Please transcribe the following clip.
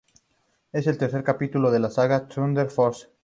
Es el tercer capítulo de la saga Thunder Force.